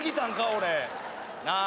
俺。なあ。